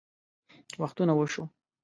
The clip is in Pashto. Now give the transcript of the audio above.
وختونه وشوه